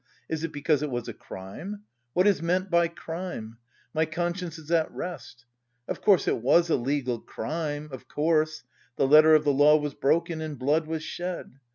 "Is it because it was a crime? What is meant by crime? My conscience is at rest. Of course, it was a legal crime, of course, the letter of the law was broken and blood was shed.